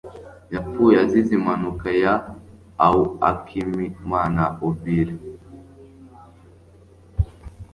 Yapfuye azize impanuka ya auAkimanaobile.